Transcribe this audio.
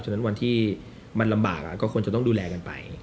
ฉะนั้นวันที่มันลำบากก็ควรจะต้องดูแลกันไป